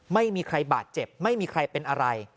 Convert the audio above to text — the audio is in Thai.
ไม่มีใครบาดเจ็บไม่มีใครเป็นอะไร